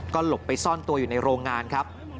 ก็หลบไปซ่อนตัวอยู่ในโรงงานครับ